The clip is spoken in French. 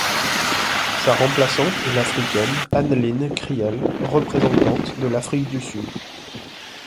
Sa remplaçante est l'africaine Anneline Kriel représentante de l'Afrique du Sud.